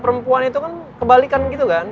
karena itu kan kebalikan gitu kan